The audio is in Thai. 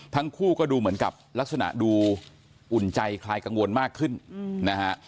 ทั้งคู่ก็ดูเหมือนกับลักษณะดูอุ่นใจคลายกังวลมากขึ้นนะฮะ